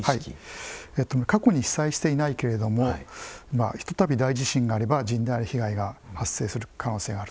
過去に被災していないけれどもひとたび、大地震があれば甚大な被害が発生する可能性がある。